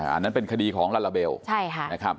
อ่านั้นเป็นคดีของละละเบลใช่ค่ะนะครับ